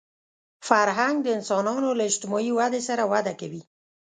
فرهنګ د انسانانو له اجتماعي ودې سره وده کوي